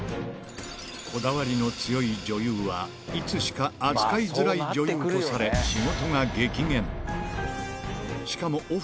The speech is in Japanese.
こだわりの強い女優は、いつしか扱いづらい女優とされ、仕事が激減。